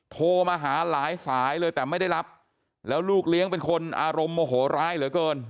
โทรมาหาหลายสายเลยแต่ไม่ได้รับแล้วลูกเลี้ยงเป็นคนอารมณ์โมโหร้ายเหลือเกิน